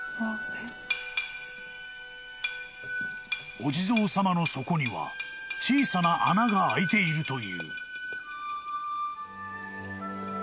［お地蔵様の底には小さな穴が開いているという］